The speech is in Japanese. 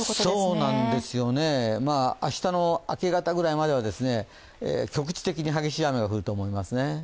明日の明け方くらいまでは局地的に激しい雨が降ると思いますね。